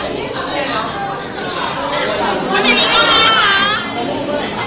ที่เจนนี่ของกล้องนี้นะคะ